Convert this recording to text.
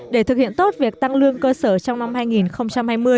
để thực hiện tốt việc tăng lương cơ sở trong năm hai nghìn hai mươi